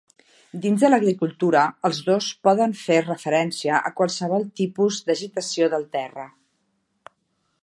Dins de l'agricultura, els dos poden fer referència a qualsevol tipus d'agitació del terra.